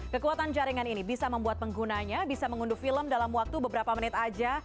kekuatan jaringan ini bisa membuat penggunanya bisa mengunduh film dalam waktu beberapa menit aja